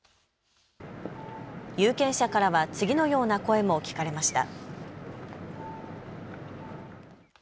有権者からは次のような声も聞かれました。